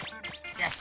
よし。